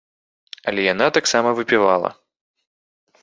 Але яна таксама выпівала.